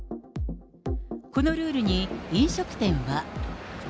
このルールに飲食店は。